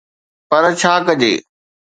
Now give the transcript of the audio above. پر ڇا ڪجي؟